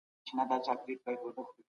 موږ باید د خپل هیواد ساتنه وکړو.